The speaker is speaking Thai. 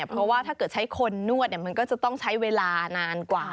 เพราะว่าถ้าเกิดใช้คนนวดมันก็จะต้องใช้เวลานานกว่า